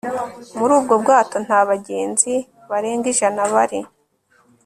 muri ubwo bwato nta bagenzi barenga ijana bari